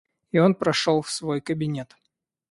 И он прошел в свой кабинет.